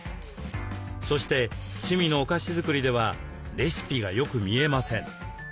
そして趣味のお菓子作りではレシピがよく見えません。